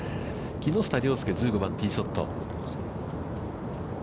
木下稜介、ティーショット。